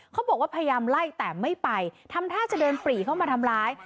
เขาบอกว่าพยายามไล่แต่ไม่ไปทำท่าจะเดินปรีเข้ามาทำร้าย